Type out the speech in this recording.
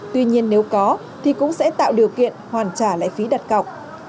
tuy nhiên nếu có thì cũng sẽ tạo điều kiện hoàn trả lại phí đặt cọc